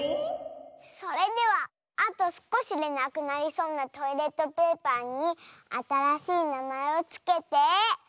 それではあとすこしでなくなりそうなトイレットペーパーにあたらしいなまえをつけて。